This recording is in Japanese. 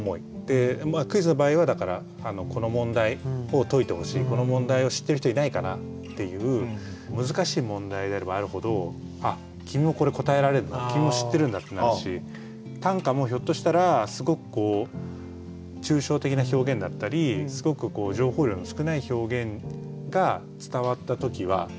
クイズの場合はだからこの問題を解いてほしいこの問題を知ってる人いないかなっていう難しい問題であればあるほどあっ君もこれ答えられるの君も知ってるんだってなるし短歌もひょっとしたらすごく抽象的な表現だったりすごく分かります分かります。